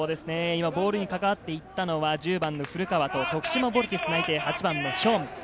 今ボールにかかわっていったのは１０番の古川と、徳島ヴォルティス内定、８番のヒョン。